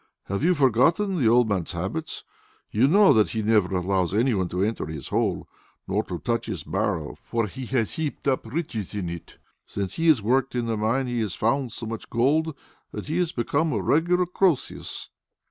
"Have you forgotten the old man's habits? You know that he never allows any one to enter his hole, nor to touch his barrow, for he has heaped up riches in it. Since he has worked in the mine, he has found so much gold that he has become a regular Croesus."